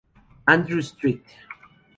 Andrew St.